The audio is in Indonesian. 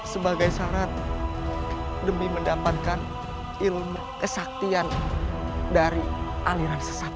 sebagai syarat demi mendapatkan ilmu kesaktian dari aliran sesat